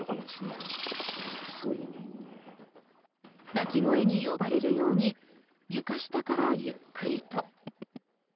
鳴き声に呼ばれるように床下からゆっくりと。